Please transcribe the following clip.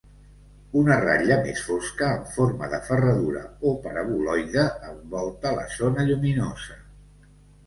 Una ratlla més fosca, en forma de ferradura o paraboloide, envolta la zona lluminosa.